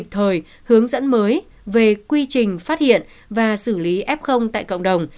thời hướng dẫn mới về quy trình phát hiện và xử lý f tại cộng đồng